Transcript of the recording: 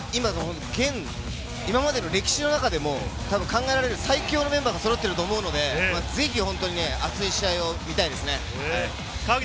今までの歴史の中でも考えられる最強のメンバーがそろっていると思うので、熱い試合を見たいですね。